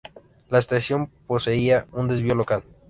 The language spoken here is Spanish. La estación poseía un desvío local.